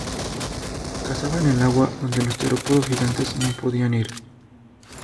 Cazaba en el agua donde los terópodos gigantes no podían ir.